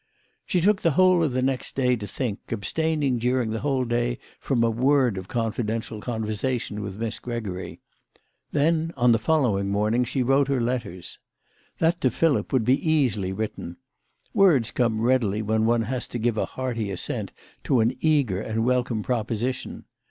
She took the whole of the next day to think, abstain ing during the whole day from a word of confidential conversation with Miss Gregory. Then on the follow ing morning she wrote her letters. That to Philip would be easily written. Words come readily when one has to give a hearty assent to an eager and welcome proposition.